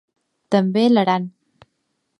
També l'Aran.